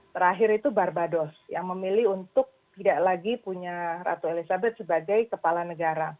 terakhir itu barbados yang memilih untuk tidak lagi punya ratu elizabeth sebagai kepala negara